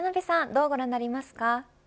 どうご覧になりますか。